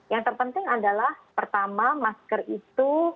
yang terpenting adalah pertama masker itu